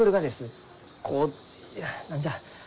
こう何じゃ？